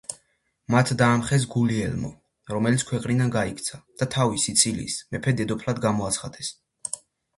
მათ დაამხეს გულიელმო, რომელიც ქვეყნიდან გაიქცა და თავი სიცილიის მეფე-დედოფლად გამოაცხადეს.